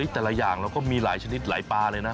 แต่ละอย่างเราก็มีหลายชนิดหลายปลาเลยนะ